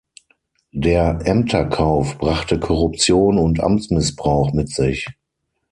Der Ämterkauf brachte Korruption und Amtsmissbrauch mit sich.